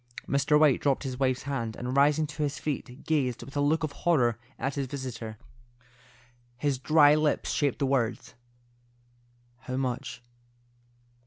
Mr. White dropped his wife's hand, and rising to his feet, gazed with a look of horror at his visitor. His dry lips shaped the words, "How much?"